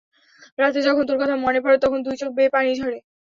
রাতে যখন তোর কথা মনে পড়ে তখন দুই চোখ বেয়ে পানি ঝরে।